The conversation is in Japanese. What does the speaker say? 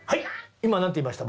今何て言いました？